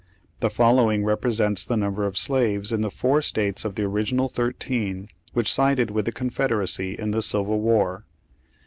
The following represents the number of slaves in the four states of the original thirteen which sided with the Confederacy in the civil war.